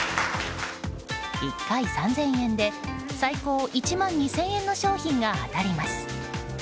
１回３０００円で最高１万２０００円の商品が当たります。